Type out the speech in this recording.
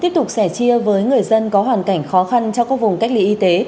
tiếp tục sẻ chia với người dân có hoàn cảnh khó khăn cho các vùng cách ly y tế